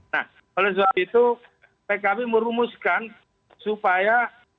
nah oleh sebab itu pkb merumuskan supaya